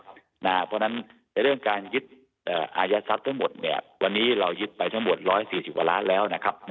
เพราะฉะนั้นในเรื่องการยึดอายัดทรัพย์ทั้งหมดเนี่ยวันนี้เรายึดไปทั้งหมด๑๔๐กว่าล้านแล้วนะครับ